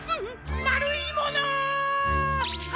まるいもの！